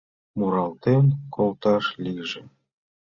Муралтен колташ лийже.